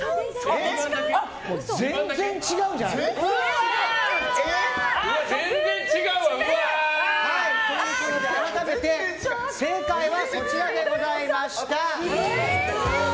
全然違うじゃん。ということで改めて正解はこちらでございました。